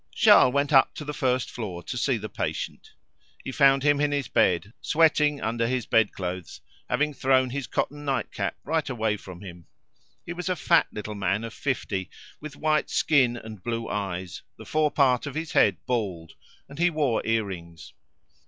Charles went up the first floor to see the patient. He found him in his bed, sweating under his bed clothes, having thrown his cotton nightcap right away from him. He was a fat little man of fifty, with white skin and blue eyes, the forepart of his head bald, and he wore earrings.